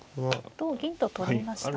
同銀と取りましたね。